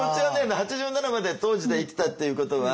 ８７まで当時で生きたっていうことは。